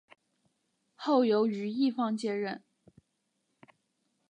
后由于一方接任。